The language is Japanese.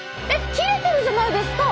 切れてるじゃないですか？